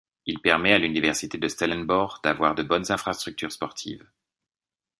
Il permet à l'Université de Stellenbosch d'avoir de bonnes infrastructures sportives.